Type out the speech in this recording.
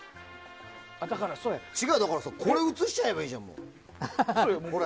違う、これを映しちゃえばいいじゃん。